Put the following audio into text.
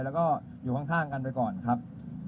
แล้วก็อยู่ข้างกันไปก่อนครับ